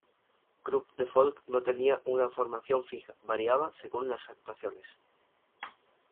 Grup de Folk no tenía una formación fija; variaba según las actuaciones.